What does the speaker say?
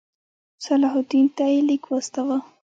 صلاح الدین ته یې لیک واستاوه.